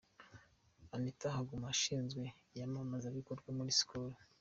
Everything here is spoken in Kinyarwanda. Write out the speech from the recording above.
Anita Haguma ushinzwe iyamamazabikorwa muri Skol.